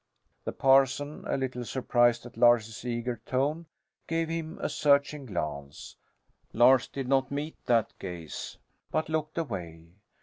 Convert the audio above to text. The parson, a little surprised at Lars's eager tone, gave him a searching glance. Lars did not meet that gaze, but looked away.